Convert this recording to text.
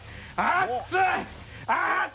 熱い！